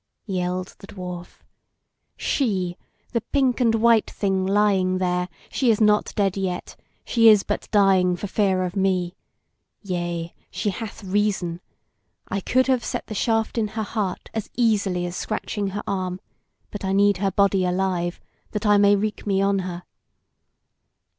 Yelled the Dwarf: "She, the pink and white thing lying there; she is not dead yet; she is but dying for fear of me. Yea, she hath reason! I could have set the shaft in her heart as easily as scratching her arm; but I need her body alive, that I may wreak me on her."